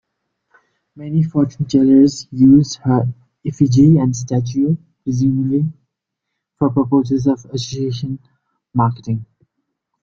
Many fortune tellers used her effigy and statue, presumably for purposes of association marketing.